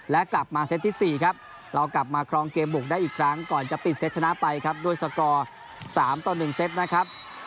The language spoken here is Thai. นะครับยี่สิบห้าสิบเจ็ดยี่สิบห้าสิบเจ็ดยี่สิบสามยี่สิบห้า